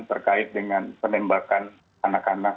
terkait dengan penembakan anak anak